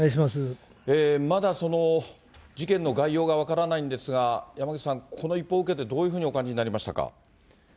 まだ事件の概要が分からないんですが、山口さん、この一報を受けて、どういうふうにお感じになりましたか。